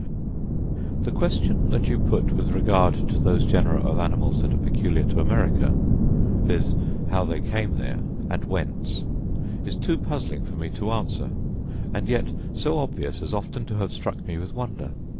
The question that you put with regard to those genera of animals that are peculiar to America, viz. how they came there, and whence? is too puzzling for me to answer; and yet so obvious as often to have struck me with wonder.